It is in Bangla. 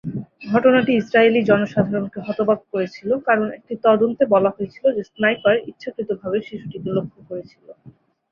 ঘটনাটি ইসরায়েলি জনসাধারণকে হতবাক করেছিল, কারণ একটি তদন্তে বলা হয়েছিল যে স্নাইপার ইচ্ছাকৃতভাবে শিশুটিকে লক্ষ্য করেছিল।